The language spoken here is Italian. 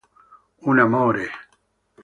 Un amore